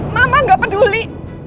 mama gak peduli